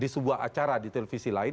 di sebuah acara di televisi lain